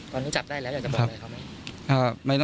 ตอนนี้จับได้แล้วอยากจะบอกอะไรเขาไหม